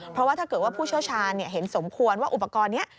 เพราะว่าถ้าเกิดว่าผู้เชี่ยวชาญเห็นสมควรว่าอุปกรณ์นี้